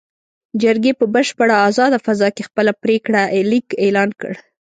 جرګې په بشپړه ازاده فضا کې خپل پرېکړه لیک اعلان کړ.